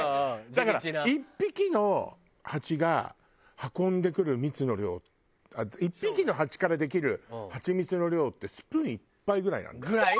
だから１匹のハチが運んでくるミツの量１匹のハチからできるハチミツの量ってスプーン１杯ぐらいなんだよ。ぐらい？